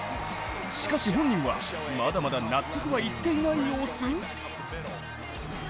しかし本人はまだまだ納得いっていない様子？